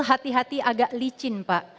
hati hati agak licin pak